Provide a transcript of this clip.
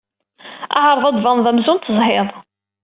Ɛreḍ ad d-tbaned amzun tezhid.